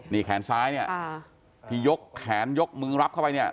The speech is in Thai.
นี่แขนซ้ายเนี่ยที่ยกแขนยกมือรับเข้าไปเนี่ย